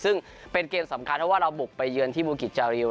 ซึ่งเป็นเกมสำคัญเพราะว่าเราบุกไปเยือนที่บูกิจจาริว